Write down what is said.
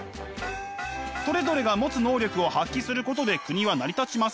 それぞれが持つ能力を発揮することで国は成り立ちます。